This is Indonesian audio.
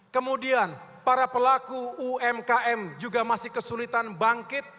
kemudian para pelaku umkm juga masih kesulitan bangkit